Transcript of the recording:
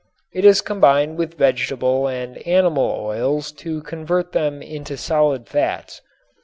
It is combined with vegetable and animal oils to convert them into solid fats.